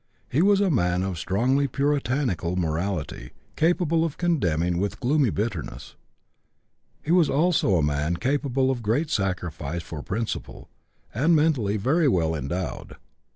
He was a man of strongly Puritanical morality, capable of condemning with gloomy bitterness. He was also a man capable of great sacrifice for principle, and mentally very well endowed.